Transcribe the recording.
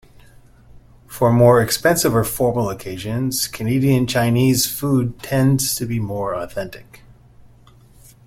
For more expensive or formal occasions, Canadian Chinese food tends to be more authentic.